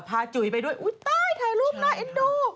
พาจุ๋ยไปด้วยอุ๊ยต๊ายถ่ายรูปหน้าเอ็ดโด